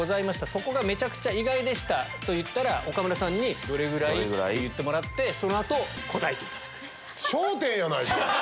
そこがめちゃくちゃ意外でした」と言ったら岡村さんに「どれぐらい？」って言ってもらって答えていただく。